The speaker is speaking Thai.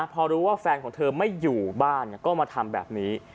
พอรู้ว่าแฟนของเธอไม่อยู่บ้านก็มาทำแบบนี้